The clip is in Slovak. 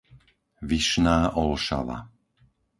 Vyšná Olšava